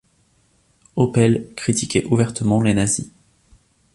Oppel critiquait ouvertement les nazis.